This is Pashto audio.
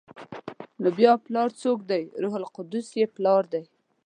نو بیا پلار څوک دی؟ روح القدس یې پلار دی؟